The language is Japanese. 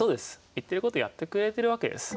言ってることやってくれてるわけです。